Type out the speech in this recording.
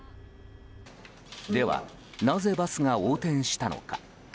では、なぜバスが横転したのか。